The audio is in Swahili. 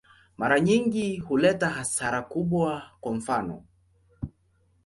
Mara nyingi huleta hasara kubwa, kwa mfano.